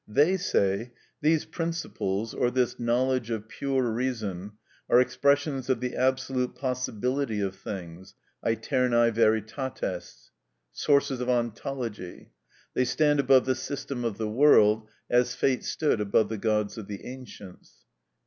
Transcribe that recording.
They say: "These principles, or this knowledge of pure reason, are expressions of the absolute possibility of things, æternæ veritates, sources of ontology; they stand above the system of the world, as fate stood above the gods of the ancients."